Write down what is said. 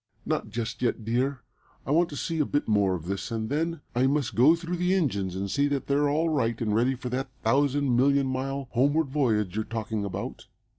"Not just yet, dear. I want to see a bit more of this, and then I must go through the engines and see that they're all right and ready for that thousand million mile homeward voyage you're talking about.